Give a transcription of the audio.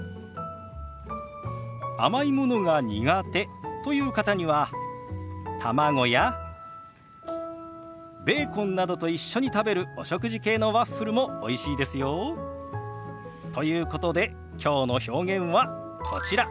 甘いものが苦手という方には卵やベーコンなどと一緒に食べるお食事系のワッフルもおいしいですよ。ということできょうの表現はこちら。